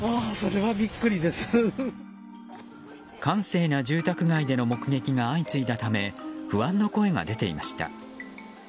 閑静な住宅街での目撃が相次いだため不安の声が出ていました。